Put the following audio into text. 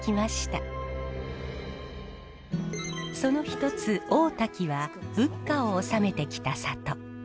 その一つ大滝は仏花を納めてきた里。